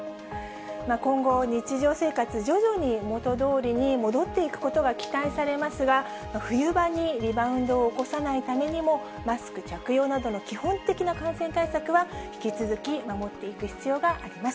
今後、日常生活、徐々に元どおりに戻っていくことが期待されますが、冬場にリバウンドを起こさないためにも、マスク着用などの基本的な感染対策は、引き続き守っていく必要があります。